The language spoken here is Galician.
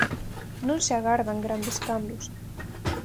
Non se agardan grandes cambios.